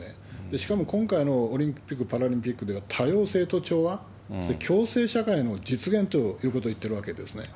しかも今回のオリンピック・パラリンピックでは多様性と調和、それから共生社会の実現ということをいってるわけですね。